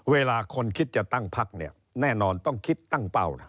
เวลาคนคิดจะตั้งพักเนี่ยแน่นอนต้องคิดตั้งเป้านะ